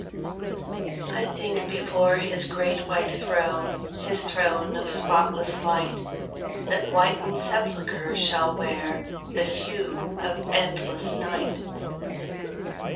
I think before His great white throne, His throne of spotless light, That whited sepulchres shall wear The hue of endless night.